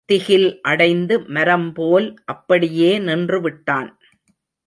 திகில் அடைந்து மரம் போல் அப்படியே நின்று விட்டான்.